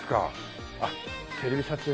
あっテレビ撮影は勘弁。